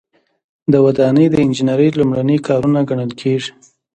دا ودانۍ د انجنیری لومړني کارونه ګڼل کیږي.